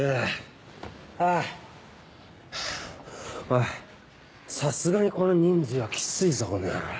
おいさすがにこの人数はきついぞこの野郎。